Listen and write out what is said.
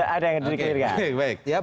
ada yang di kiri kan